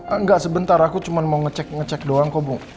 enggak sebentar aku cuma mau ngecek ngecek doang